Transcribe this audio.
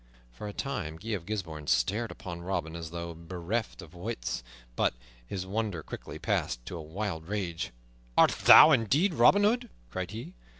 For a time Guy of Gisbourne stared upon Robin as though bereft of wits; but his wonder quickly passed to a wild rage. "Art thou indeed Robin Hood?" cried he.